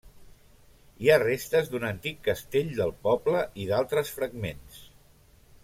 Hi ha restes d'un antic castell del poble, i d'altres fragments.